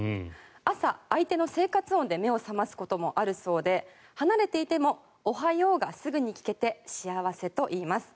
朝、相手の生活音で目を覚ますこともあるそうで離れていてもおはようがすぐに聞けて幸せといいます。